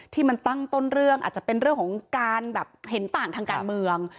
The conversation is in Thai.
ที่มันตั้งต้นเรื่องอาจจะเป็นเรื่องของการแบบเห็นต่างทางการเมือง